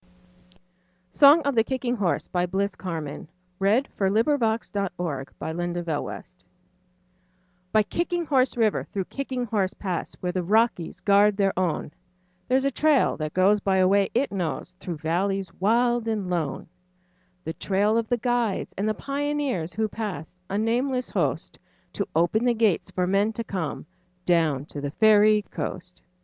puts forth, To keep unsoiled forever The honor of the North. SONG OF THE KICKING HORSE By Kicking Horse River, through Kicking Horse Pass, Where the Rockies guard their own, There's a trail that goes by a way it knows Through valleys wild and lone,— The trail of the guides and the pioneers Who passed—a nameless host— To open the gates for men to come Down to the Fairy Coast.